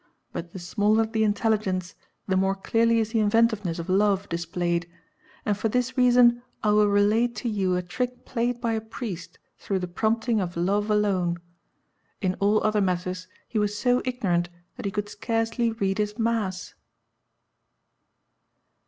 But the smaller the intelligence the more clearly is the inventiveness of love displayed, and for this reason I will relate to you a trick played by a priest through the prompting of love alone. In all other matters he was so ignorant that he could scarcely read his mass."